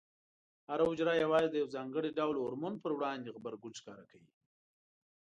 هره حجره یوازې د یو ځانګړي ډول هورمون په وړاندې غبرګون ښکاره کوي.